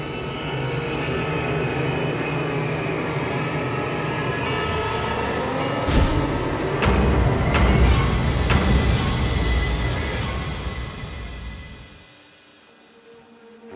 กับพวกเรา